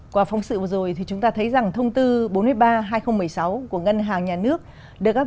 qua phóng sự vừa rồi thì chúng ta thấy rằng thông tư bốn mươi ba hai nghìn một mươi sáu của ngân hàng nhà nước